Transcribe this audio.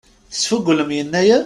Tesfugulem Yennayer?